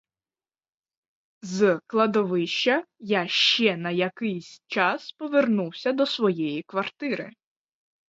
З кладовища я ще на якийсь час повернувся до своєї квартири.